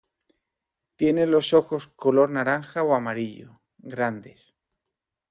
Tiene los ojos color naranja o amarillo, grandes.